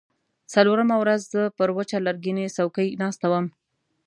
څلورمه ورځ زه پر وچه لرګینۍ څوکۍ ناسته وم.